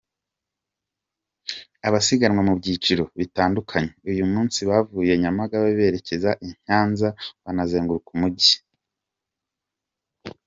Abasiganwa mu byiciro bitandukanye , uyu munsi bavuye Nyamagabe berekeza i Nyanza, banazenguruka umujyi.